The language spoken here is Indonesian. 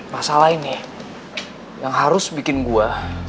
masalah ini yang harus bikin gua